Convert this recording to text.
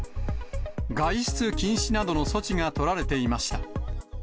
外出禁止などの措置が取られていました。